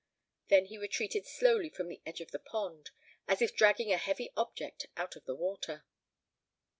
Then he retreated slowly from the edge of the pond, as if dragging a heavy object out of the water.